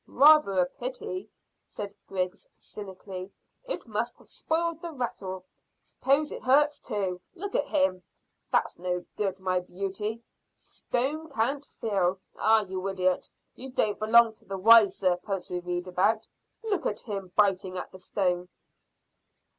"Rather a pity," said Griggs cynically. "It must have spoiled the rattle. S'pose it hurts too. Look at him! That's no good, my beauty. Stone can't feel. Ah, you idiot, you don't belong to the wise serpents we read about. Look at him biting at the stone."